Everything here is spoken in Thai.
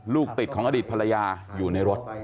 ลูกติดของอดีตภรรยาอยู่ในรถ